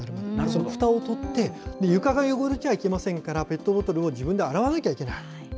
そのふたを取って、床が汚れてはいけませんから、ペットボトルを自分で洗わなきゃいけない。